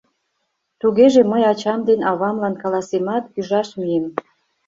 — Тугеже мый ачам ден авамлан каласемат, ӱжаш мием.